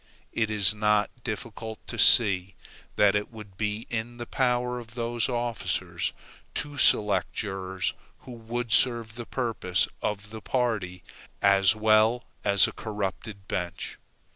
It is not difficult to see, that it would be in the power of those officers to select jurors who would serve the purpose of the party as well as a corrupted bench.